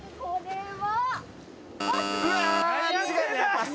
これは。